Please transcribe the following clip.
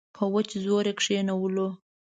په وچ زور یې کښېنولو.